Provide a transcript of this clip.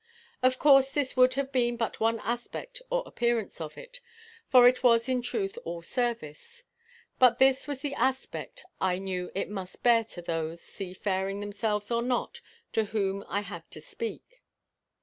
Of course this would have been but one aspect or appearance of it for it was in truth all service; but this was the aspect I knew it must bear to those, seafaring themselves or not, to whom I had to speak.